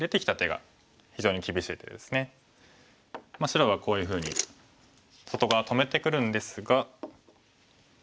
白がこういうふうに外側止めてくるんですが。